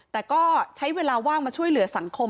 แต่ก็ใช้เวลาว่างมาช่วยเหลือสังคม